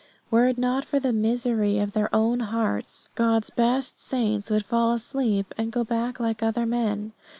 Were it not for the misery of their own hearts, God's best saints would fall asleep and go back like other men.